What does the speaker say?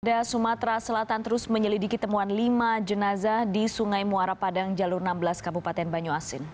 polda sumatera selatan terus menyelidiki temuan lima jenazah di sungai muara padang jalur enam belas kabupaten banyuasin